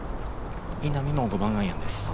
稲見も５番アイアンです。